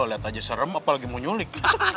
loh liat aja serem apalagi mau nyulik